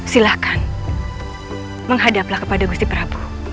silahkan menghadaplah kepada gusti prabowo